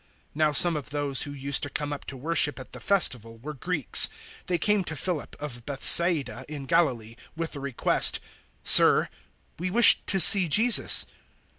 012:020 Now some of those who used to come up to worship at the Festival were Greeks. 012:021 They came to Philip, of Bethsaida in Galilee, with the request, "Sir, we wish to see Jesus."